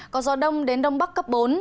có gió đông đến đông bắc cấp bốn